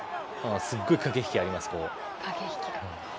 すごい駆け引きがあります。